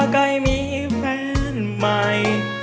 ใกล้มีแฟนใหม่